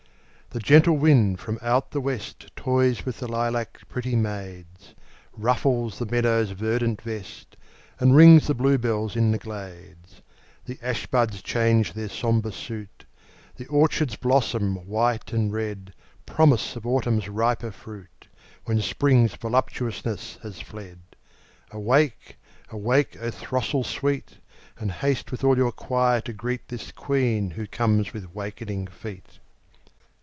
The gentle wind from out the west Toys with the lilac pretty maids; Ruffles the meadow's verdant vest, And rings the bluebells in the glades; The ash buds change their sombre suit, The orchards blossom white and red— Promise of Autumn's riper fruit, When Spring's voluptuousness has fled. Awake! awake, O throstle sweet! And haste with all your choir to greet This Queen who comes with wakening feet.